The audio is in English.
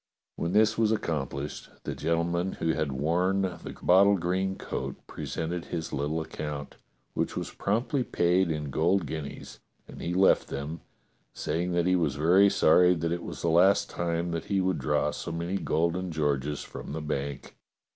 When this was accomplished the gentleman who had worn the bottle green coat presented his little account, which was promptly paid in golden guineas, and he left them, saying that he was very sorry that it was the last time that he would draw so many golden Georges from the bank.